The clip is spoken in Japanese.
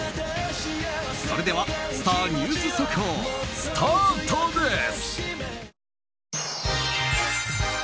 それでは、スター☆ニュース速報スタートです！